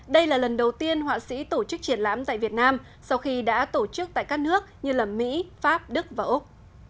đây là lần đầu tiên họa sĩ tổ chức triển lãm tại việt nam sau khi đã tổ chức tại các nước như mỹ pháp đức và úc